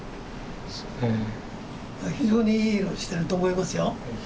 非常にいい色してると思いますよ。